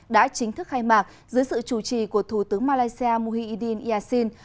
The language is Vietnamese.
đã chính thức khai mạc dưới sự chủ trì của thủ tướng malaysia muhyidin yassin